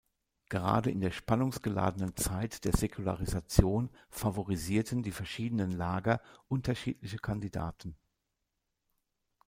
Gerade in der spannungsgeladenen Zeit der Säkularisation favorisierten die verschiedenen Lager unterschiedliche Kandidaten.